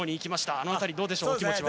あの辺り、どうでしょう気持ちは。